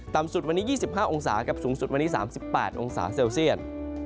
สุดวันนี้๒๕องศาครับสูงสุดวันนี้๓๘องศาเซลเซียต